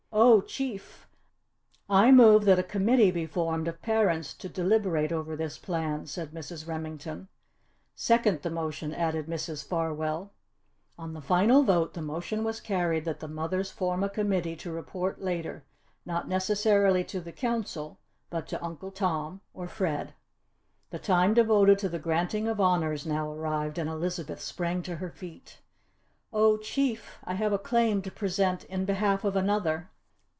"Oh Chief! I move that a committee be formed of parents to deliberate over this plan," said Mrs. Remington. "Second the motion!" added Mrs. Farwell. On the final vote the motion was carried that the mothers form a committee to report later not necessarily to the Council but to Uncle Tom or Fred. The time devoted to the granting of honours now arrived and Elizabeth sprang to her feet. "Oh Chief! I have a claim to present in behalf of another."